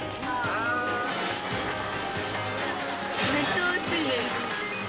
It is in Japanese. めっちゃおいしいね。